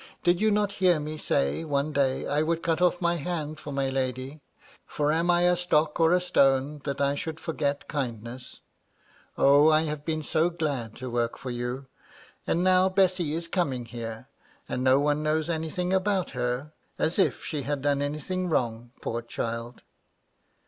Did you not hear me say, one day, I would cut off my hand for my lady ; for am I a stock or a stone, that I should forget kindness ? O, I have been so glad to work for you. And now Bessy is coming here ; and no one knows anything about her — as if she had done anything wrong, poor child